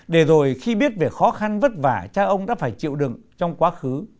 để rồi khi biết về khó khăn vất vả cha ông đã phải chịu đựng trong quá khứ